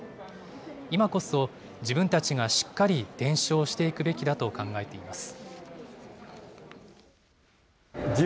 今こそ、自分たちがしっかり伝承していくべきだと考えています。